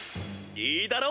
いいだろ！